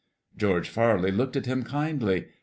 George Farley looked at him kindly.